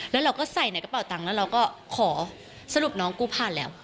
แล้วเราก็ใส่ในกระเป๋าตังค์แล้วเราก็ขอสรุปน้องกูผ่านแล้ว